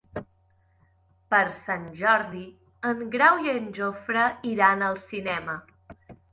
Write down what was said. Per Sant Jordi en Grau i en Jofre iran al cinema.